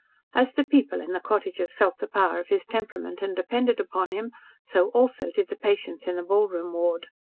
As the people in the cottages felt the power of his temperament and depended upon him, so, also, did the patients in the ballroom ward.